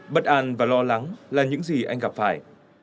bất an và lo lắng là những gì anh gặp phải